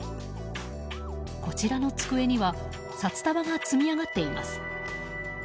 こちらの机には札束が積み上がっています。